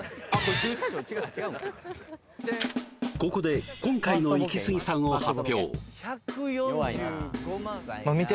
ここで今回のイキスギさんを発表！